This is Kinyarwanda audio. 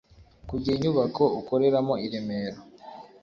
kugira inyubako ukoreramo i Remera